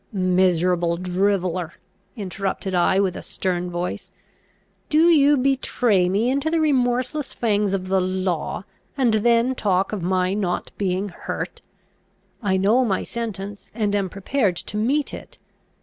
"Miserable driveller!" interrupted I, with a stern voice, "do you betray me into the remorseless fangs of the law, and then talk of my not being hurt? I know my sentence, and am prepared to meet it!